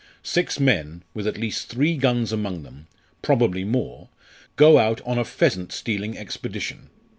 Six men, with at least three guns among them, probably more, go out on a pheasant stealing expedition.